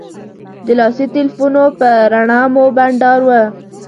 د لاسي تیلفونو په رڼا مو بنډار و.